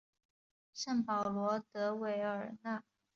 圣保罗德韦尔讷。